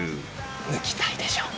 ヌキたいでしょ？